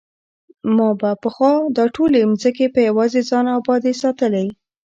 ما به پخوا دا ټولې ځمکې په یوازې ځان ابادې ساتلې.